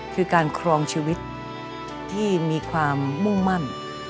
คือการครองชีวิตที่มีความมุ่งมั่น